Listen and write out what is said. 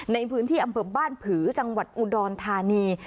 ในพื้นที่อำเภอบ้านผือจังหวัดอุดรธานี